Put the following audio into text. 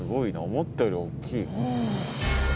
思ったよりおっきい。